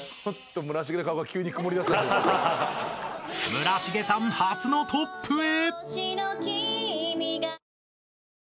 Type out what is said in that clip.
［村重さん初のトップへ！］